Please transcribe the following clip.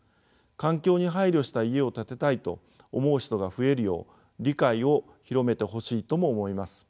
環境に配慮した家を建てたいと思う人が増えるよう理解を広めてほしいとも思います。